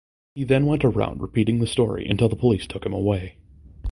He then went around repeating the story until the police took him away.